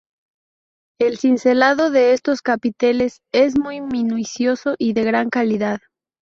El cincelado de estos capiteles es muy minucioso y de gran calidad.